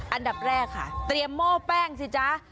อันดับแรกค่ะเตรียมหม้อแป้งสิจ๊ะ